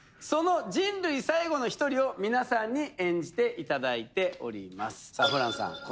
その人類最後の１人を皆さんに演じていただいておりますさあホランさん